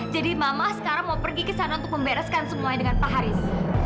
jadi mama sekarang mau pergi ke sana untuk membereskan semuanya dengan pak haris